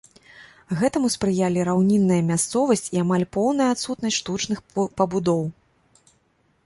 Гэтаму спрыялі раўнінная мясцовасць і амаль поўная адсутнасць штучных пабудоў.